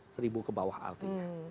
seribu ke bawah artinya